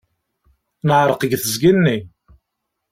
Neɛreq deg teẓgi-nni.